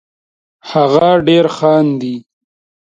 هغه ډېر خاندي